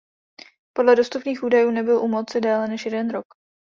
Podle dostupných údajů nebyl u moci déle než jeden rok.